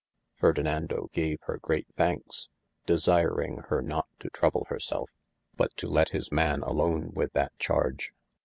Ferdinando gave hir great thaks desiring hir not to trouble hirself, but to let his man alone with y* charge.